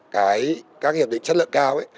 cái các hiệp định chất lượng cao